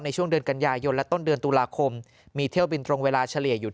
ในช่วง๗เดือนที่ผ่านมา